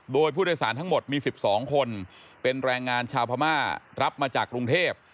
โดยผู้โดยสารทั้งหมดมี๑๒คนเป็นแรงงานชาวพม่ารับมาจากกรุงเทพ